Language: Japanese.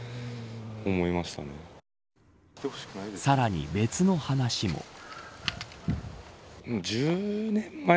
さらに別の話も。